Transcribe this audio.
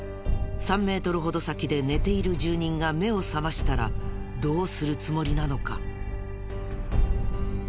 ３メートルほど先で寝ている住人が目を覚ましたらどうするつもりなのか？